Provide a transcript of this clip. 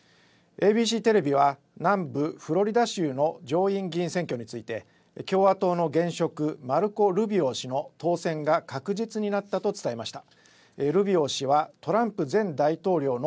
ＡＢＣテレビは南部フロリダ州の上院議員選挙について共和党の現職、マルコ・ルビオ氏の当選が確実になったと伝えました。